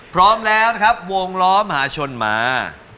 พร้อมแล้วนะครับวงล้อมหาชนมา